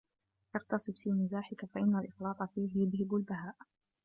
اقْتَصِدْ فِي مِزَاحِك فَإِنَّ الْإِفْرَاطَ فِيهِ يُذْهِبُ الْبَهَاءَ